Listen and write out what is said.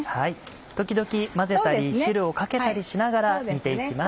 時々混ぜたり汁をかけたりしながら煮て行きます。